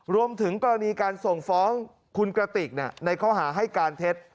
รวมถึงกรณีการส่งฟ้องคุณกระติกในข้อหาให้การเท็จ